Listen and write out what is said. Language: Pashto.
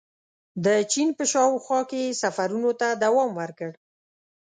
• د چین په شاوخوا کې یې سفرونو ته دوام ورکړ.